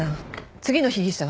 次の被疑者は？